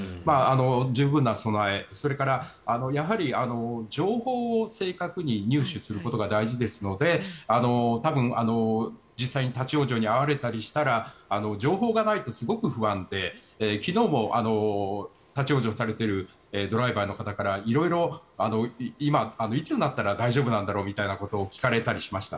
十分な備えそれから、情報を正確に入手することが大事ですので多分、実際に立ち往生に遭われたりしたら情報がないとすごく不安で昨日も立ち往生されているドライバーの方から色々、いつになったら大丈夫なんだろうみたいなことを聞かれたりしました。